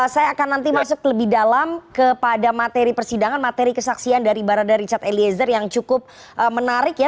saya akan nanti masuk lebih dalam kepada materi persidangan materi kesaksian dari barada richard eliezer yang cukup menarik ya